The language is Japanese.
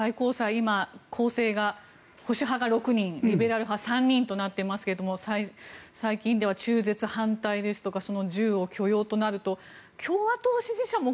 今、攻勢が保守派が６人リベラル派３人となっていますが最近では中絶反対ですとか銃を許容となると共和党支持者も